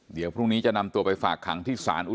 เดี๋ยวพรุ่งนี้จะนำตัวไปฝากคังที่สารอุดรนดรกัน